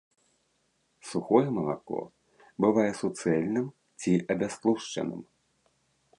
Сухое малако бывае суцэльным ці абястлушчаным.